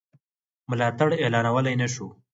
ملاتړ اعلانولای نه شو.